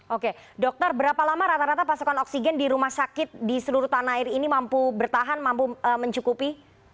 oke dokter berapa lama rata rata pasokan oksigen di rumah sakit di seluruh tanah air ini mampu bertahan mampu mencukupi